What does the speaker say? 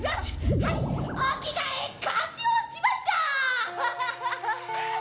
はいお着替え完了しました！